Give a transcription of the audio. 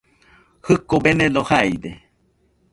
Jɨko benedo jaide